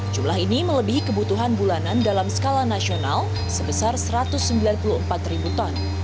jumlah ini melebihi kebutuhan bulanan dalam skala nasional sebesar satu ratus sembilan puluh empat ribu ton